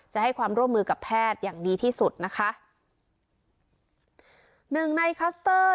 จะให้ความร่วมมือกับแพทย์อย่างดีที่สุดนะคะหนึ่งในคลัสเตอร์